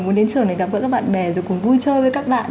muốn đến trường để gặp gỡ các bạn bè rồi cùng vui chơi với các bạn